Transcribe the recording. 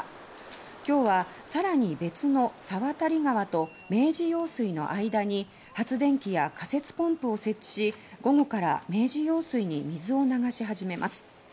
今日はさらに、別の猿渡川と明治用水の間に発電機や仮設ポンプを設置し午後から明治用水に水を流し始めます。